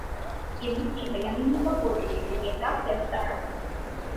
Інакш бы яны не паводзілі сябе так, як зараз.